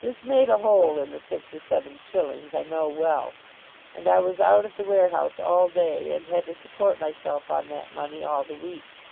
This made a hole in the six or seven shillings, I know well; and I was out at the warehouse all day, and had to support myself on that money all the week.